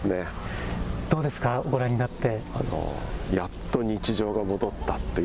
どうですか、ご覧になって。